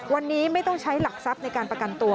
วันนี้ไม่ต้องใช้หลักทรัพย์ในการประกันตัว